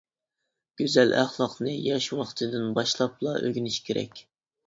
گۈزەل ئەخلاقنى ياش ۋاقتىدىن باشلاپلا ئۆگىنىش كېرەك.